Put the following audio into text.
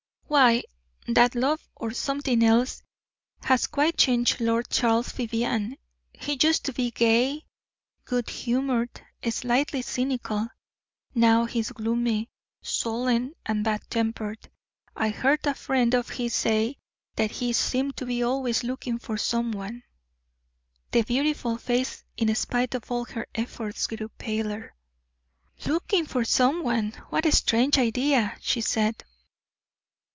"Why, that love, or something else, has quite changed Lord Charles Vivianne. He used to be gay, good humored, slightly cynical; now he is gloomy, sullen, and bad tempered. I heard a friend of his say that he seemed to be always looking for some one." The beautiful face, in spite of all her efforts, grew paler. "Looking for some one! What a strange idea!" she said.